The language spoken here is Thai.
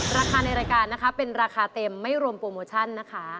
ราคาในรายการนะคะเป็นราคาเต็มไม่รวมโปรโมชั่นนะคะ